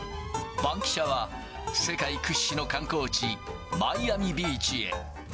バンキシャは、世界屈指の観光地、マイアミビーチへ。